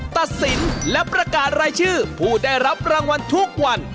ตัดสินและประกาศรายชื่อผู้ได้รับรางวัลทุกวัน